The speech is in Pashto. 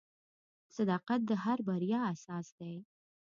• صداقت د هر بریا اساس دی.